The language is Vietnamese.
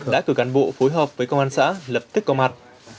đã cử cán bộ phối hợp với công an xã lập tức có mặt